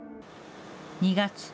２月。